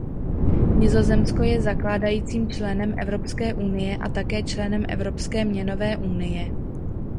Nizozemsko je zakládajícím členem Evropské unie a také členem Evropské měnové unie.